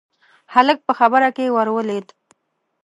هلک په خبره کې ورولوېد: